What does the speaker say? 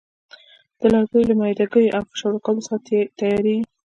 د لرګیو له میده ګیو او فشار ورکولو څخه تیاریږي.